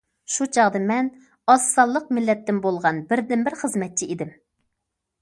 شۇ چاغدا مەن ئاز سانلىق مىللەتتىن بولغان بىردىنبىر خىزمەتچى ئىدىم.